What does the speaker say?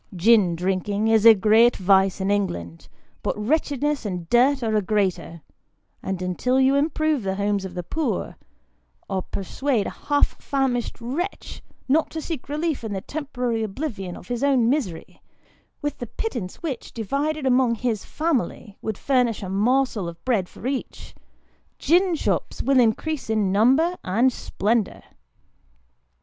Gin drinking is a great vice in England, but wretchedness and dirt are a greater ; and until you improve the homes of the poor, or persuade a half famished wretch not to seek relief in the temporary oblivion of his own misery, with the pittance which, divided among his family, would furnish a morsel of bread for each, gin shops will increase in number and splendour.